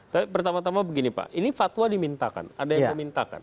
tapi pertama tama begini pak ini fatwa dimintakan ada yang dimintakan